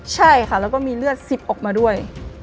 ใช่ค่ะแล้วก็มีเลือด๑๐ออกมาด้วย